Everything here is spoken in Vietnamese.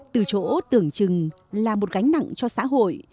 từ chỗ tưởng chừng là một gánh nặng cho xã hội